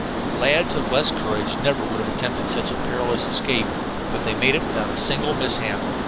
Lads of less courage never would have attempted such a perilous escape, but they made it without a single mishap.